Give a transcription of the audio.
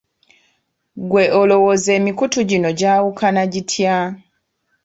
Ggwe olowooza emikutu gino gyawukana gitya?